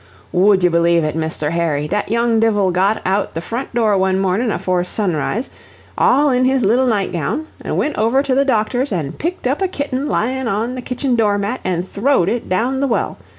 "Would ye belave it, Misther Harry, dhat young dhivil got out the front door one mornin' afore sunroise, all in his little noight gown, an' wint over to the doctor's an' picked up a kitten lyin' on the kitchen door mat, an' throwed it down dhe well.